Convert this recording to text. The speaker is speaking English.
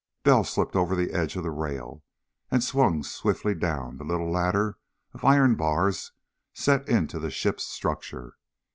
Bell slipped over the edge of the rail and swung swiftly down the little ladder of iron bars set into the ship's structure.